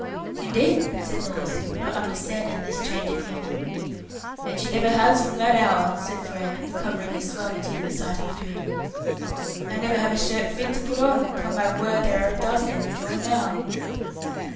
"Indeed!" said North, not understanding this change of humour. "And she never has from that hour," said Frere, recovering his suavity at the sight of food. "I never have a shirt fit to put on. Upon my word, there are a dozen in the drawer now."